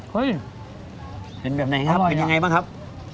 เฮ้ยเป็นแบบไหนครับอร่อยนะเป็นยังไงบ้างครับ